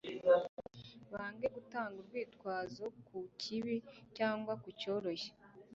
bange gutanga urwitwazo ku kibi cyangwa kucyoroshya